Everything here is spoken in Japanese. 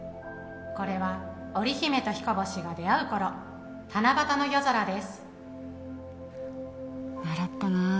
これは織り姫と彦星が出会う頃七夕の夜空です習ったなあ